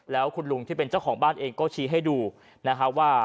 แล้วคุณลุงที่เป็นเจ้าของบ้านเองก็ชี้ให้ดูนะครับว่า